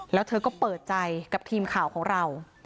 แล้วเธอก็เปิดใจกับทีมข่าวของเรา